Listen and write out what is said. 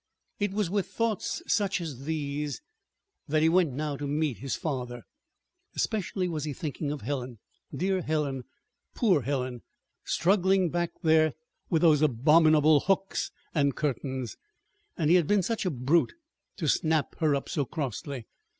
It was with thoughts such as these that he went now to meet his father. Especially was he thinking of Helen, dear Helen, poor Helen, struggling back there with those abominable hooks and curtains. And he had been such a brute to snap her up so crossly!